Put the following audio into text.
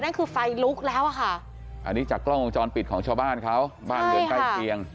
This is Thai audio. นั่นคือไฟลุกแล้วค่ะอันนี้จากกล้องจรปิดของชาวบ้านเขาใช่ค่ะบ้านเงินใกล้เตียง